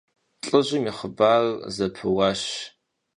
ЛӀыжьым и хъыбарыр зэпыуащ.